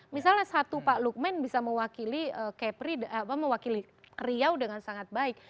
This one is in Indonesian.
misalnya satu pak lukman bisa mewakili kepri mewakili riau dengan sangat baik